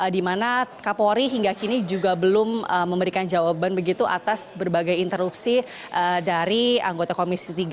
di mana kapolri hingga kini juga belum memberikan jawaban begitu atas berbagai interupsi dari anggota komisi tiga